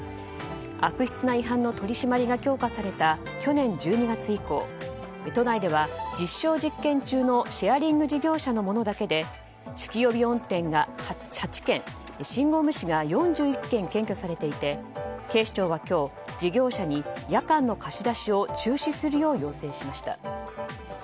悪質な違反の取り締まりが強化された去年１２月以降都内では実証実験中のシェアリング事業者のものだけで酒気帯び運転が８件信号無視が４１件検挙されていて警視庁は今日、事業者に夜間の貸し出しを中止するよう要請しました。